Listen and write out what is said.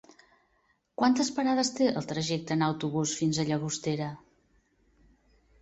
Quantes parades té el trajecte en autobús fins a Llagostera?